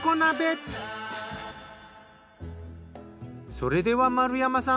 それでは丸山さん